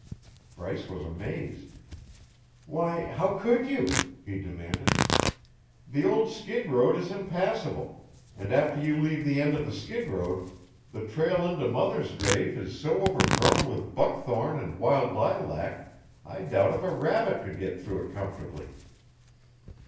Bryce was amazed. "Why, how could you?" he demanded. "The old skid road is impassable, and after you leave the end of the skid road, the trail in to Mother's grave is so overgrown with buckthorn and wild lilac I doubt if a rabbit could get through it comfortably."